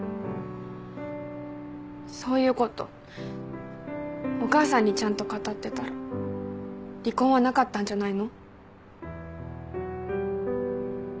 そういうことお母さんにちゃんと語ってたら離婚はなかったんじゃないの？